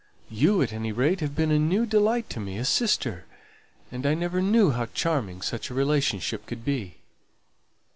You, at any rate, have been a new delight to me a sister; and I never knew how charming such a relationship could be."